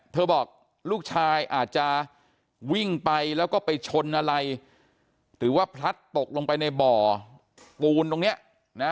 บอกลูกชายอาจจะวิ่งไปแล้วก็ไปชนอะไรหรือว่าพลัดตกลงไปในบ่อปูนตรงเนี้ยนะ